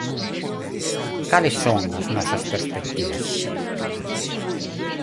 ¿Cales son as nosas perspectivas?